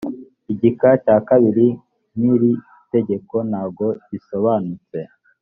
igika cya kabiri nkiri tegeko ntago gisobanutse